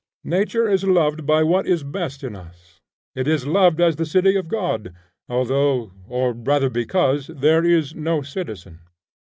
Nature is loved by what is best in us. It is loved as the city of God, although, or rather because there is no citizen.